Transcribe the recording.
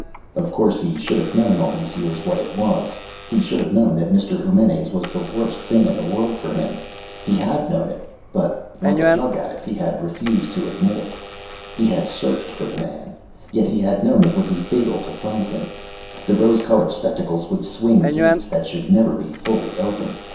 Of course, he should have known all these years what it was. He should have known that Mr. Eumenes was the worst thing in the world for him. He had known it, but, like a drug addict, he had refused to admit it. He had searched for the man. Yet he had known it would be fatal to find him. The rose colored spectacles would swing gates that should never be fully open.